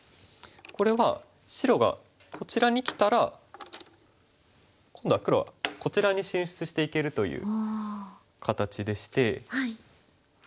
これは白がこちらにきたら今度は黒はこちらに進出していけるという形でして。